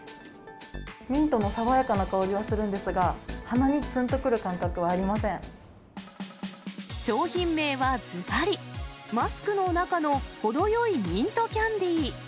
ミントの爽やかな香りはするんですが、商品名はずばり、マスクの中のほどよいミントキャンディ。